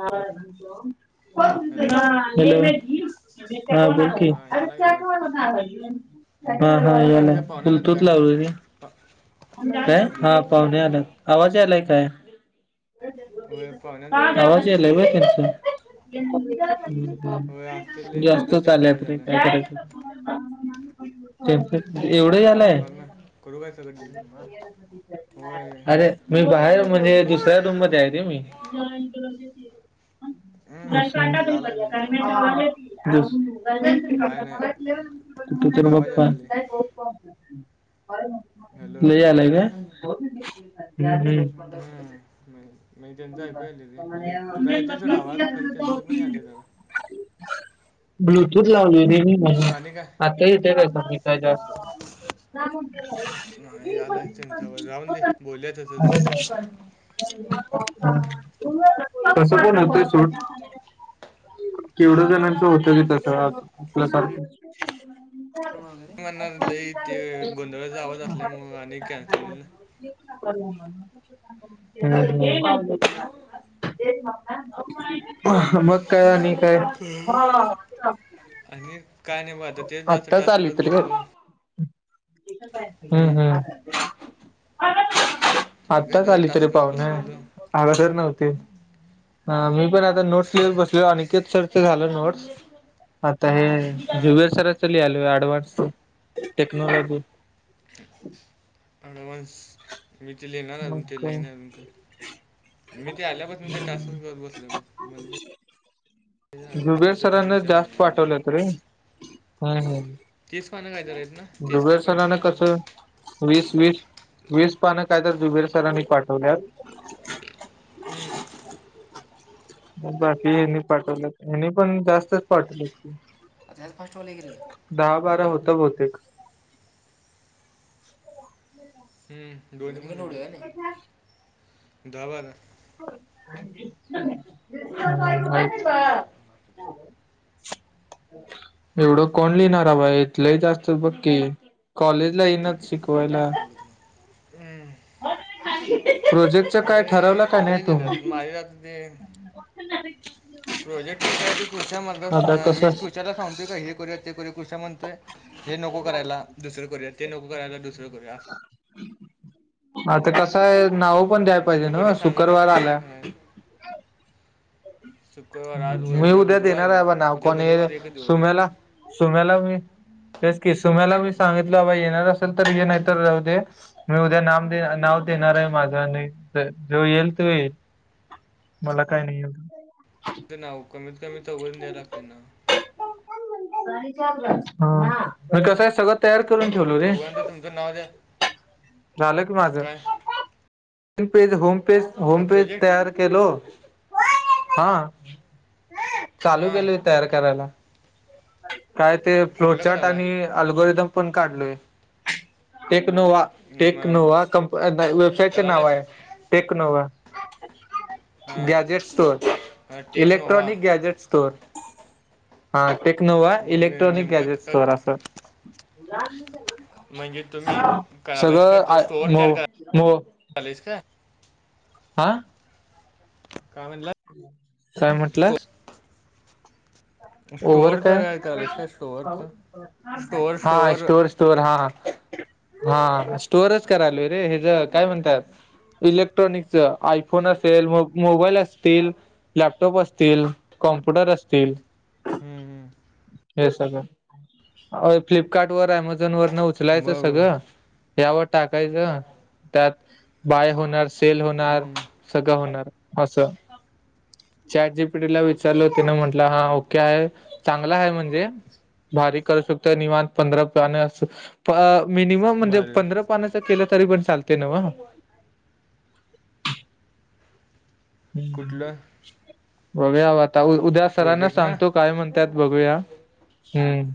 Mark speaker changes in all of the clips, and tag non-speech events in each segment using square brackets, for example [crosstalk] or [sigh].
Speaker 1: Hello.
Speaker 2: Hello
Speaker 1: हां. बोल की.
Speaker 2: हा यालाय का आवाज
Speaker 1: हा हा. यायलाय ब्लु टूथ लावलय -
Speaker 2: ब
Speaker 1: काय? हा पाहुणे आल्यात. आवाज यायलाय काय?
Speaker 2: होय पाहुण्यांचा
Speaker 1: आवाज यायलाय
Speaker 2: आलाय
Speaker 1: [unintelligible] ह.
Speaker 2: होय असतील लय त्यांचाच
Speaker 1: जास्तच
Speaker 2: जास्त
Speaker 1: आल्यात
Speaker 2: आवाज
Speaker 1: रे काय
Speaker 2: आलाय
Speaker 1: करायच?
Speaker 2: मग
Speaker 1: एवढं
Speaker 2: दारात
Speaker 1: आलंय?
Speaker 2: उभार ना करू काय चालू?
Speaker 1: अरे मी बाहेर म्हणजे दुसऱ्या रूम मध्ये आहे रे मी. कांडा
Speaker 2: हम्म
Speaker 1: बिया
Speaker 2: यालाय त्यांचा आवाज
Speaker 1: पडल्यात
Speaker 2: खरं नाही नाही
Speaker 1: काय [unintelligible] [unintelligible]
Speaker 2: रुपया आवाज
Speaker 1: बाप्पा
Speaker 2: आलाय लय हॅलो
Speaker 1: लई अलाय काय?
Speaker 2: चाळीस मिनट हम हम्. नई त्यांचं ऐकू यालय रे म्हणजे तुझा येतोय सोड आवाज खरं त्यांचं पण यायलय जरा.
Speaker 1: ब्लुटूथ लावलय रे मी. ह
Speaker 2: मग आणि काय
Speaker 1: आता येतय काय कमी काय जास्त.
Speaker 2: ब-
Speaker 1: [unintelligible]
Speaker 2: नाही यालाय त्यांचा आवाज राहून दे बोलूया तसंच
Speaker 1: कस पण होतंय सोड. केवढ जणांच होत की तस आपल्यासारखं.
Speaker 2: म्हणार लई ते गोंधळाचा आवाज असल्यामुळ आणि कॅन्सल होईल.
Speaker 1: [unintelligible] [unintelligible] हा मग काय आणि काय?
Speaker 2: आणि काय नाही बघ आता ते जास्त
Speaker 1: आत्ताच
Speaker 2: टास्क
Speaker 1: आली
Speaker 2: करत
Speaker 1: तरी काय?
Speaker 2: बसलेलो.
Speaker 1: हम्म हम्म. [unintelligible]
Speaker 2: ते काय
Speaker 1: आत्ताच
Speaker 2: जरा
Speaker 1: आली तरी
Speaker 2: टास्क करत
Speaker 1: पाहुणं.
Speaker 2: बसलेलो
Speaker 1: अगदर नव्हते ह
Speaker 2: हां
Speaker 1: मी पण आता नोट्स लिहत बसलो अनिकेत सर च झालं नोट्स आता हे
Speaker 2: हां
Speaker 1: जुवेर सराच लिहालोय अडवांस. टेक्नॉलॉजी.
Speaker 2: अडवान्स मी ते लिहणाराय
Speaker 1: मग
Speaker 2: अजून ते
Speaker 1: काय
Speaker 2: लिहाय नई अजून काय. मी ते आल्यापासनच नाही ते टास्क करत बसलोय ब म्हणजे.
Speaker 1: जुबेर सरांना
Speaker 2: बसूया
Speaker 1: जास्त
Speaker 2: म्हणलं जरा
Speaker 1: पाठवल्यात रे हम् हम
Speaker 2: तीस पानं काय जरा आहेत ना तीस काय
Speaker 1: जुबेर
Speaker 2: पंचवीस
Speaker 1: सरांना
Speaker 2: पानं आहेत
Speaker 1: कसं?
Speaker 2: ना
Speaker 1: वीस वीस वीस पानं काय तर जुबेर सरांनी पाठवल्यात.
Speaker 2: हम्म.
Speaker 1: बाकीच्यांनी पाठवल्यात हेनी पण जास्तच पाठवल्यात की.
Speaker 2: [unintelligible] फास्ट व्हालय की रे.
Speaker 1: दहा बारा होत बहुतेक.
Speaker 2: हम्म [unintelligible] दहा बारा.
Speaker 1: [unintelligible]
Speaker 2: [inaudible]
Speaker 1: एवढं कोण लिहिणारा बा इथलंही जास्त बघ की कॉलेजला इनात. शिकवायला.
Speaker 2: [unintelligible] हम्म
Speaker 1: प्रोजेक्टच
Speaker 2: अग
Speaker 1: काय ठरवलं
Speaker 2: हे लई दिल्यात माझ्या ह्यातलं दे.
Speaker 1: पटकन जा [unintelligible]
Speaker 2: प्रोजेक्ट काय तेच कृष्या मर्दा सां
Speaker 1: आता
Speaker 2: मी
Speaker 1: कसं
Speaker 2: कृष्याला सांगतोय का हे करूया ते करूया कृष्या म्हणतोय - हे नको करायला दुसरं करूया ते नको करायला दुसरं करूया आस.
Speaker 1: आता कसाय नाव पण द्याय
Speaker 2: आता
Speaker 1: पाहिजे
Speaker 2: तो
Speaker 1: नव्ह
Speaker 2: कधी सांगा ना
Speaker 1: शुक्रवार
Speaker 2: आपण काय
Speaker 1: आला.
Speaker 2: करायचं शुक्रवार आज उ-
Speaker 1: मी उद्या
Speaker 2: बुधवार
Speaker 1: देणार आहे ब ना
Speaker 2: उद्या
Speaker 1: कोणी
Speaker 2: गुरुवार एक दिवस
Speaker 1: सुम्याला सुम्याला मी तेच किस सुम्याला मी सांगितलं बाबा येणार असेल तर हे नाही तर राहुदे. मी उद्या नाम दे नाव देणार आहे माझं आणि जो येईल तो येईल. मला काय नाही.
Speaker 2: ते नाव कमीत कमी चौघं जन द्याय लागते ना.
Speaker 1: हां म कस हाय सगत तयार करून ठेवलो रे
Speaker 2: चौघांचं तुमचं नाव द्या
Speaker 1: झालं की माझं.
Speaker 2: काय
Speaker 1: मपेज होमपेज
Speaker 2: काय
Speaker 1: होमपेज
Speaker 2: प्रोजेक्ट
Speaker 1: तयार केलो हा चालू
Speaker 2: हां
Speaker 1: केलोय तयार करायला. काय ते
Speaker 2: कुठलं
Speaker 1: फ्लोचाट
Speaker 2: करायला
Speaker 1: आणि अलगोरिदम पण काढलोय टेक नोवा.
Speaker 2: मग
Speaker 1: टेकनोवा कं वेबसाइटचं
Speaker 2: करायला
Speaker 1: नाव आहे टेकनोवा.
Speaker 2: हां
Speaker 1: gadget store
Speaker 2: take Nova
Speaker 1: electronic gadget store हा. टेक्नोवा
Speaker 2: मग
Speaker 1: इलेक्ट्रॉनिक
Speaker 2: नेमकं
Speaker 1: गॅजेट
Speaker 2: क-
Speaker 1: स्टोर अस.
Speaker 2: म्हणजे तुम्ही करायलायस
Speaker 1: सगळं म म
Speaker 2: कॉलेज का?
Speaker 1: आं.
Speaker 2: का म्हणला?
Speaker 1: काय म्हटलास? ओवर्हर
Speaker 2: स्टोअरच काय करायलास स्टोअरच
Speaker 1: काय
Speaker 2: स्टोअर
Speaker 1: हा
Speaker 2: स्टोअर
Speaker 1: स्टोर स्टोअर हा. हा स्टोअरच करायलोय रे हेज काय म्हणतात. इलेक्ट्रॉनिकच आयफोन असेल मो मोबाईल असतील. लॅपटॉप असतील कॉम्प्युटर असतील.
Speaker 2: हम्म हम्म.
Speaker 1: हे सगळं फ्लिपकार्ट वरनं अमेझॉन वर न्ह उचलायच
Speaker 2: मग
Speaker 1: सगळं यावर टाकायचं त्यात बाय होणार सेल होणार
Speaker 2: हम्म,
Speaker 1: सगळं होणार. असं चॅट जीपीटीला विचारल तिने म्हटलं हा ओ के हाय चांगला हाय म्हणजे भारी करू शकतो निमान पंधरा पाने प मिनिमम म्हणजे
Speaker 2: बर
Speaker 1: पंधरा पानाच केलं तरी पण चालते न्हव? हम
Speaker 2: कुठलं
Speaker 1: बघुयाबा आता उ उद्या सरांना
Speaker 2: प्रोजेक्ट ना
Speaker 1: सांगतो काय म्हण त्यात बघूया हम्म.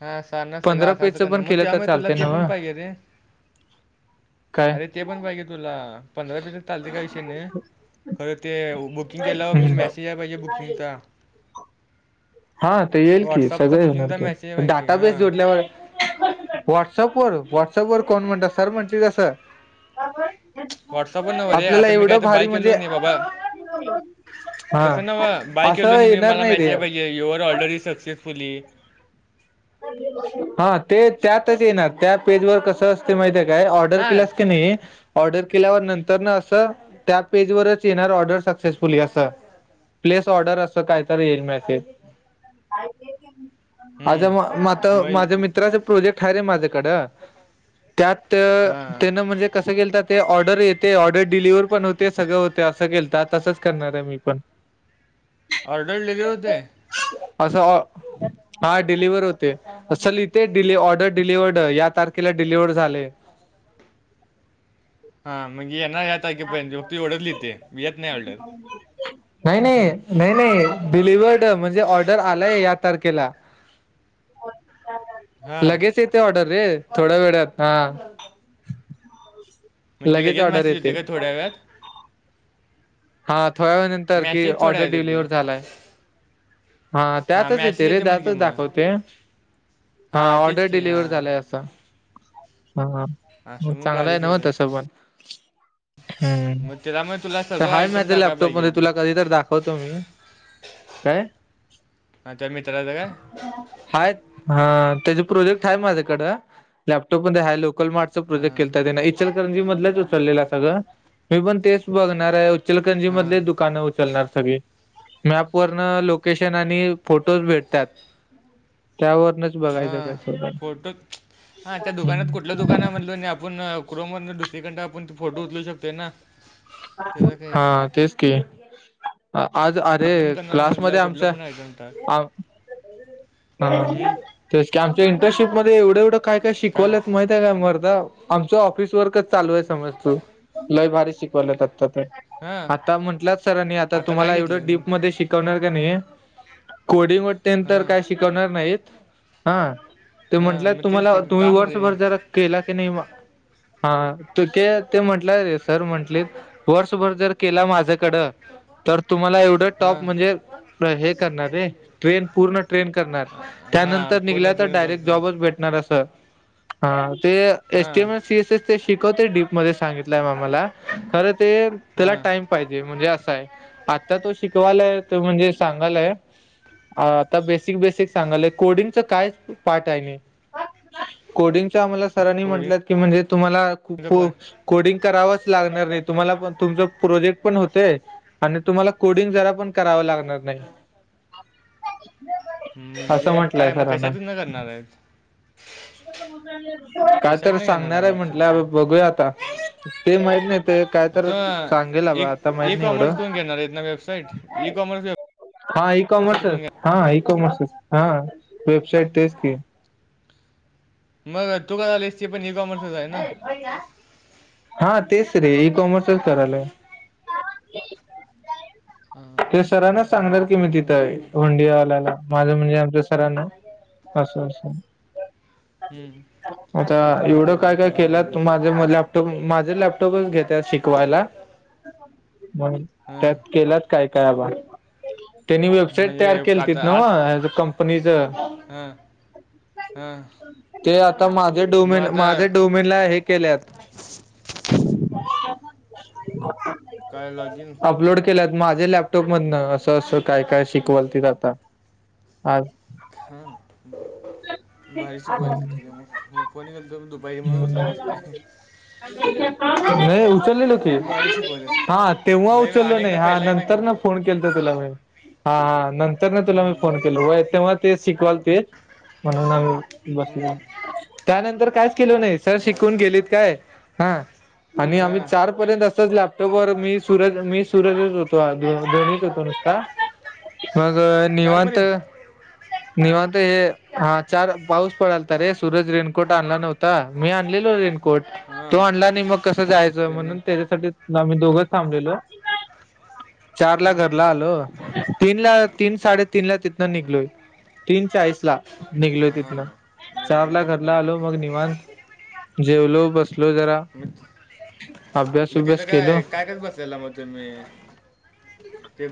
Speaker 2: हा सांना सगळं
Speaker 1: पंधरा
Speaker 2: असं असं
Speaker 1: पेजच
Speaker 2: करण
Speaker 1: पण
Speaker 2: म
Speaker 1: केलं तर
Speaker 2: त्यामुळे तुला
Speaker 1: चालते
Speaker 2: ते
Speaker 1: नव
Speaker 2: पण पाहिजे रे.
Speaker 1: काय
Speaker 2: अरे ते पण पाहिजे तुला पंधरा पेजेस चालते काय विषय नाय. खरं ते बुकिंग केल्याव म
Speaker 1: हम्म
Speaker 2: मेसेज याय पाहिजे बुकिंगचा.
Speaker 1: हा तो येईल की
Speaker 2: व्हॉट्सअपचा
Speaker 1: सगळ होणार
Speaker 2: बुकिंगचा
Speaker 1: की
Speaker 2: मेसेज आहे पाहिजे
Speaker 1: डाटा बेस
Speaker 2: हां
Speaker 1: जोडल्या ओय व्हॉट्सअप वर व्हॉट्सअप वर कोण म्हणत सर म्हणतलीत असं?
Speaker 2: व्हॉट्सअपवर नव रे आता मी काय तर बाय
Speaker 1: म्हणजे
Speaker 2: केलो नाही बाबा.
Speaker 1: हा
Speaker 2: तसं नव बाय केलो
Speaker 1: असं
Speaker 2: नी मी
Speaker 1: येणार
Speaker 2: मला
Speaker 1: नाही
Speaker 2: मेसेज
Speaker 1: रे
Speaker 2: याय पाहिजे युअर ऑर्डर इस सक्सेसफुली
Speaker 1: हा ते त्यातच येणार त्या पेज वर कसं असते माहिती काय ऑर्डर
Speaker 2: हां
Speaker 1: केलास क नई ऑर्डर केल्यावर नंतरन असं त्या पेजवरच येणार ऑर्डर सक्सेसफुली असं. प्लेस ऑर्डर असं कायतर येईल मेसेज. आता
Speaker 2: हम्म.
Speaker 1: म मता
Speaker 2: मग
Speaker 1: माझ्या मित्राचा प्रोजेक्ट हाय रे माझ्याकडं. त्यात
Speaker 2: हां.
Speaker 1: तेनं म्हणजे कसं केलता ते ऑर्डर येते ऑर्डर डिलिवर्हर पण होते सगळं होते असं केलता तसंच करणार आहे मी पण.
Speaker 2: ऑर्डर दिली होते?
Speaker 1: असं ऑ हा डिलिवर्हर होत ते अस लिहिते डीले ऑर्डर डलिव्हर्ड या तारखेला डिलिवर्ड झाले.
Speaker 2: हा मग ये ना याता की पघ तू ओढरलीि ते वयत नाही ढल
Speaker 1: नाही नाही नाही नाही डिलिवर्ड म्हणजे ऑर्डर आलाय या तारखेला
Speaker 2: ह
Speaker 1: लगेच येते ऑर्डर रे थोड्या वेळात हा
Speaker 2: म्हणे लगेच
Speaker 1: ऑर्डर
Speaker 2: मसेज
Speaker 1: येते
Speaker 2: होते का थोड्या वेात
Speaker 1: हा थोड्या वे नंतर की
Speaker 2: मॅसेज थोड्या
Speaker 1: ऑर्डर
Speaker 2: वेळात येते.
Speaker 1: डिलिव्ह झालाय हा
Speaker 2: हां,
Speaker 1: त्यातच
Speaker 2: मॅसेज
Speaker 1: येते रे
Speaker 2: म्हण की
Speaker 1: त्यातच
Speaker 2: मग.
Speaker 1: दाखवते हा
Speaker 2: हां,
Speaker 1: ऑर्डर
Speaker 2: तेच की.
Speaker 1: डिलिवर्ह झालाय
Speaker 2: हां.
Speaker 1: असा हा म
Speaker 2: असं मग भारी
Speaker 1: चांगलंय नव
Speaker 2: केलं
Speaker 1: तस
Speaker 2: की.
Speaker 1: पण हम्म
Speaker 2: त्यामुळे तुला
Speaker 1: तर
Speaker 2: सगळं
Speaker 1: हाय
Speaker 2: आयटम
Speaker 1: माझ
Speaker 2: टाकायला
Speaker 1: लॅपटॉप मध्ये
Speaker 2: पाहिजेत.
Speaker 1: तुला कधी तर दाखवतो मी काय
Speaker 2: हां कमी रा का
Speaker 1: हा हा त्याचे प्रोजेक्ट आहे माझ्याकडं लॅपटॉपमध्ये आहे लोक प्रेक्
Speaker 2: हां,
Speaker 1: इचलकरंजीधच उचललेलं सगं मी पण तेच ब उचलकंजी मध
Speaker 2: हां,
Speaker 1: दुकानं उचलणार सगळी मॅप वरन लोकेशन आणि फोटोज भेटतात त्यावरच बघायचं का
Speaker 2: हां. फोटो हा त्या दुकानात
Speaker 1: हम्म
Speaker 2: कुठलं दुकान आहे म्हणलो आणि आपण कुक दुसरीकडडे आपण फोटो उचलू शकते ना त्याचा काय
Speaker 1: हा
Speaker 2: विषय?
Speaker 1: तेच कि आज अरे
Speaker 2: आपण करणार म्हटलं
Speaker 1: क्लासमध्येध्ये
Speaker 2: कुठलं
Speaker 1: आमच्या
Speaker 2: पण आयटम टाक
Speaker 1: आ
Speaker 2: हम्म,
Speaker 1: ह ते की आमच्या इंटर्नशिपमध्येध्ये एवढं एवढं काय काय शिकवल्या माहि काय मरदा आमच ऑफिस वर्कच चालू आहे समज तू लय भारी शिकवला आ तर
Speaker 2: हां
Speaker 1: आता म्हंटला सरनी आता
Speaker 2: काय
Speaker 1: तुम्हाला
Speaker 2: घेतले
Speaker 1: एवढं डीप
Speaker 2: मग
Speaker 1: मध्ये शिकवणार का नाही कोडिंग वाटते नंत
Speaker 2: हां
Speaker 1: काय शिकवणार नाहीत हा ते
Speaker 2: हां
Speaker 1: म्हटलंय
Speaker 2: मग तेच
Speaker 1: तुम्हाला
Speaker 2: की
Speaker 1: तुम्ही
Speaker 2: काम रे
Speaker 1: वर्षभरच्यारा केला की नाही हा त ते ते म्हटलं रे सर म्हंटले वर्षभर जर केला माझ्याकडं तर तुम्हाला एवढं टॉप
Speaker 2: हां
Speaker 1: म्हणजे हे करणारे ट्रेन पूर्ण ट्रेन
Speaker 2: हां
Speaker 1: त्यानंतर निघ
Speaker 2: पूर्ण
Speaker 1: तर
Speaker 2: ट्रेन
Speaker 1: डायरेक्
Speaker 2: करतो
Speaker 1: जॉबच भेटणार अस
Speaker 2: हां
Speaker 1: एसटीएम सी एस एस ते शिकवते डीप मध्ये सांगितलंय म मला खरं ते त्याला
Speaker 2: हां
Speaker 1: टाइम जे म्हणजे असंय आता तो शिकवालाय म्हणजे सांगालाय बेसिक बेसिक सांगलय कोडिंगच काय पार्ट आहे कोडिंग आम्हाला सरांनी म्हट
Speaker 2: कोडिंगचं
Speaker 1: की म्हणजे तुम्हाला खूप
Speaker 2: पण
Speaker 1: कोडिंग करावाच लागणार नाही तुम्हाला पण तुमच प्रोजेक्ट पण होतय आणि तुम्हाला कोडिंग जरा पण करावं लागणार नाही असं
Speaker 2: म्हणजे काय
Speaker 1: म्हटलंय
Speaker 2: मग
Speaker 1: सरांना
Speaker 2: कशात न करणार आहेत
Speaker 1: काय
Speaker 2: कशात
Speaker 1: तर
Speaker 2: नाही घेणार
Speaker 1: सांगणार आहे
Speaker 2: मग सर तो
Speaker 1: म्हटलं बघूया आता ते माहित नाही ते काय तर
Speaker 2: तो
Speaker 1: सांगेल बा
Speaker 2: एक
Speaker 1: आता माहत
Speaker 2: ई
Speaker 1: नाही एवढं
Speaker 2: कॉमर्स कोण घेणार आहेत ना वेबसाईट ई कॉमर्स
Speaker 1: हा इई
Speaker 2: वेबसाईट
Speaker 1: कॉमर्स
Speaker 2: कोण घेणार
Speaker 1: हा इई कॉमर्सस हा वेबसाईट तेच की
Speaker 2: मगर तु का आले तेी प नि कमर्सत हो आहे ना
Speaker 1: हा तेच रे इई कॉमर्सच करायलाय
Speaker 2: हां,
Speaker 1: ते सरांनाच
Speaker 2: बरं,
Speaker 1: सांगणार
Speaker 2: एक,
Speaker 1: कि मी तिथं
Speaker 2: दोन,
Speaker 1: आहे
Speaker 2: दोन.
Speaker 1: होंडिया आल्याला माझं म्हणजे आमचं सरांना असं अससं
Speaker 2: हम्म.
Speaker 1: आता
Speaker 2: असं असं
Speaker 1: एवढं
Speaker 2: केले
Speaker 1: काय काय
Speaker 2: कराले
Speaker 1: केलं
Speaker 2: म्हणून
Speaker 1: तुम्हा लॅपटॉप माझे लॅपटॉपच घेते शिकवायला. मग
Speaker 2: हां
Speaker 1: त्यात केलात काय काय आबा त्यांनी वेबसाईट तयार
Speaker 2: म्हणजे
Speaker 1: केली त
Speaker 2: आता
Speaker 1: नाव
Speaker 2: आज
Speaker 1: ज कंपनीचं
Speaker 2: हां. हां
Speaker 1: ते आता माझे
Speaker 2: मग
Speaker 1: डोमेन
Speaker 2: आता
Speaker 1: माझे डोम. तला हे केल्यात.
Speaker 2: कायलाग.
Speaker 1: अपलोड केल्यात माझे लॅपटॉप मधन, असं असं काय काय शिकवाल ते आता. आज.
Speaker 2: हां भारीची क्वालिटी
Speaker 1: हम्म
Speaker 2: किे मग फोन घ दु. बै म्हणून उतला
Speaker 1: हम्म
Speaker 2: नाही काय?
Speaker 1: नाही उचलले न.
Speaker 2: भारी शिकवायला ते
Speaker 1: हा तेव्हा
Speaker 2: ना,
Speaker 1: उचललो नाही
Speaker 2: अनेकदा
Speaker 1: हा
Speaker 2: पहिला एकदा
Speaker 1: नंतर ना
Speaker 2: गेलतो
Speaker 1: फोन. तुला म ह नंतर तुला मी फोन
Speaker 2: हम्म,
Speaker 1: केल ते. ते शिकवाल ते म्हणून, आम्ही बसल
Speaker 2: हम्म,
Speaker 1: त्यानंतर कायच केल नाही. सर
Speaker 2: बर
Speaker 1: शिकून गेलीत काय हा आणि आम्ही
Speaker 2: हां
Speaker 1: चार. र्यंत असच लॅपटॉप व मी सरज मी सूरजच होतो दोन्हीच होतो नुसता. मग निवांत.
Speaker 2: चारपर्यंत
Speaker 1: निवत हे हा चार पाऊस पडल तर रे सरज रेनकोट आणला नव्हता. मी आणलेलो रेनकोट तो
Speaker 2: हां
Speaker 1: आणला आणि, मग कसं जायचं
Speaker 2: त्यांना
Speaker 1: म्हणून त्याच्यासाठी ना मी दोघच थांबलेलो चार ला
Speaker 2: हम्म,
Speaker 1: घरला आलो. तीन ला तीन साडे तीन ला तिथन
Speaker 2: हम्म,
Speaker 1: निघलोय. तीन चाळीस ला निघलो तिथन
Speaker 2: हां बरं,
Speaker 1: चार ला
Speaker 2: बरं,
Speaker 1: घरला आलो
Speaker 2: बरं.
Speaker 1: मग निवण. जेवलो बसलो जरा
Speaker 2: मग
Speaker 1: अभ्यास
Speaker 2: मग तिथं
Speaker 1: उभ्यास केलो
Speaker 2: काय काय काच बसायला मग तुम म्ही.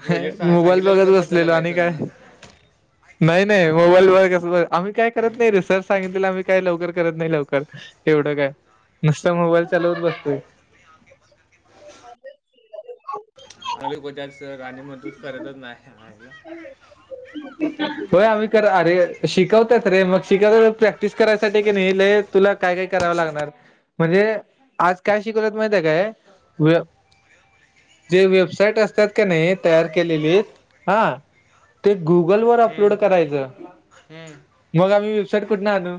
Speaker 1: ह मोबाईल
Speaker 2: सांगितलेलं
Speaker 1: बघत
Speaker 2: करत बसलेला
Speaker 1: बसलेलो आणि काय?
Speaker 2: सरांना
Speaker 1: नाही नाही
Speaker 2: हाय.
Speaker 1: मोबाईल व कस आम्ही काय करत नाही, रिसर्च सांगितले आम्ही काय लवकर. करत नाही लवकर एवढं काय, नुसत मोबाईल चालवत बसतोय.
Speaker 2: अ कोतच राणी म्हण तोच करतच नाही.
Speaker 1: होय आम्ही कर अरे शिकवतात रे मग शिकवत प्रॅक्टिस करायसाठी की नाहीले. तुला काय काय करावं लागणार. म्हणजे आज काय शिकवत माहिित आहे काय? जे वेबसाईट असतात का नाही तयार केलेली. हा ते गुगल वर अपलोड
Speaker 2: हम्म,
Speaker 1: करायचं.
Speaker 2: हम्म.
Speaker 1: मग आम्ही व्यवसाईर कुठून आलो.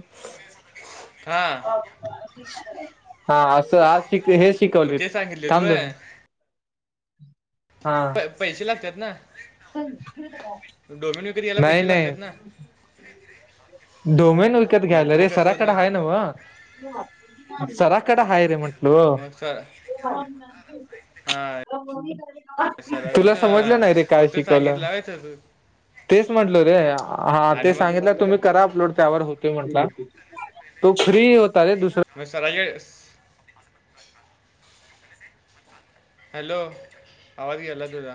Speaker 2: हां.
Speaker 1: हा असं आज श हे
Speaker 2: मग
Speaker 1: शिकवले
Speaker 2: ते सांगितले तू
Speaker 1: थांब दून. हा.
Speaker 2: प- पैसे लागतात ना डोमिनोिक याला
Speaker 1: नाही,
Speaker 2: पैसे
Speaker 1: नाही.
Speaker 2: लागतात ना. [inaudible]
Speaker 1: डोमेन विकत
Speaker 2: मग
Speaker 1: घ्यायला
Speaker 2: फ्री
Speaker 1: रे
Speaker 2: कसं होत
Speaker 1: सराकड आहे ना, म सराकडं आहेा रे म्हण. हो.
Speaker 2: मग सर हा सर
Speaker 1: तुला
Speaker 2: फक्त
Speaker 1: समजलं नाही रे काय
Speaker 2: फक्त
Speaker 1: शिकवलं.
Speaker 2: सांगितलं आहे सर तू
Speaker 1: तेच म्हटलं रे हा
Speaker 2: आणि
Speaker 1: ते
Speaker 2: मग
Speaker 1: सांगितलं तुम्ही? अलोड त्या म्ह तो फ्री होता दु. [unintelligible]
Speaker 2: म सर आ [unintelligible] हॅलो आवाज गला तुझ.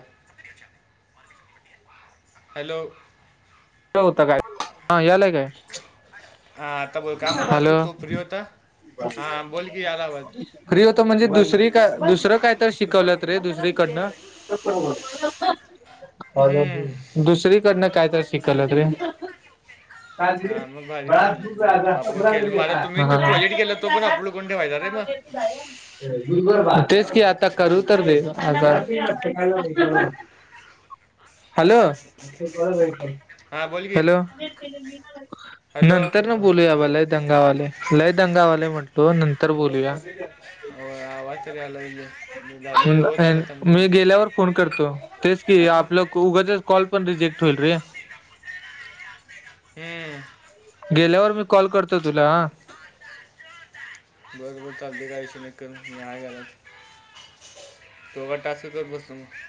Speaker 2: हॅलो.
Speaker 1: होत काय हा यालाय काय.
Speaker 2: हा आता बोल काय म्हधला असतो,
Speaker 1: हॅलो
Speaker 2: तो फ्री होता हा बोल की अलाबाद.
Speaker 1: फ्री होत म्हणजे दुसरी काय, दुसरं काय तर शिकवलंत रे दुसरीकडनं. [unintelligible] अ
Speaker 2: हम्म
Speaker 1: दुसरीकडनं कायत शिकल ते. का
Speaker 2: हां मग भारी
Speaker 1: बडा
Speaker 2: केलं
Speaker 1: दूर
Speaker 2: तू. मग आपण केलं मग आता
Speaker 1: पंधरा
Speaker 2: तुम्ही ते प्रोजेक्ट केला
Speaker 1: महिने
Speaker 2: तो पण अपलोड करून ठेवायचा रे
Speaker 1: का
Speaker 2: मग
Speaker 1: झा तेच कि आता करू तर दे आ हॅलो
Speaker 2: हां बोल की
Speaker 1: हॅलो
Speaker 2: हॅलो
Speaker 1: नंतर ना बोलूया बा लय दंगावाले लय दंगावाले म्हटलो नंतर बोलूया
Speaker 2: हो आवाचरीलाे
Speaker 1: मी गेल्यावर फोन करतो तेच की आपलं उग कॉल पण रिजेक्ट होईल रे
Speaker 2: हम
Speaker 1: गेल्यावर मी कॉल करतो तुला
Speaker 2: बोत बोलचा बघायश न कर निहा ग तो वाट असू कर बसत मग